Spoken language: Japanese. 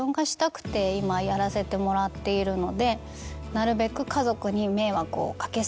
なるべく。